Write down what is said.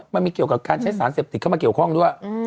มันมีเกี่ยวกับการใช้สารเสพติดเข้ามาเกี่ยวข้องด้วย